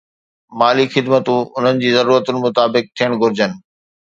مالي خدمتون انهن جي ضرورتن مطابق ٿيڻ گهرجن